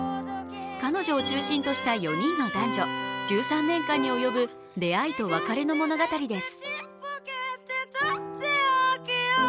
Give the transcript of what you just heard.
彼女を中心とした４人の男女、１３年間に及ぶ出会いと別れの物語です。